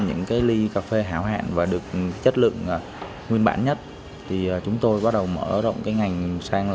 những ly cà phê hảo hạn và được chất lượng nguyên bản nhất chúng tôi bắt đầu mở động ngành sang